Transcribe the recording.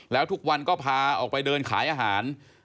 แล้วทุกวันก็พาออกไปเดินขายอาหาร